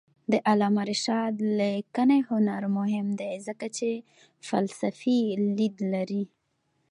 د علامه رشاد لیکنی هنر مهم دی ځکه چې فلسفي لید لري.